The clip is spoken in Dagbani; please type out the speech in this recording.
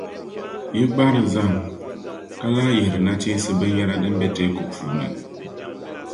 Yi gbahiri zahim, ka lahi yihiri nachinsi binyεra din be Teeku puuni.